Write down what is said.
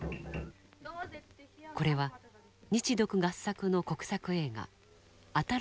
これは日独合作の国策映画「新しき土」。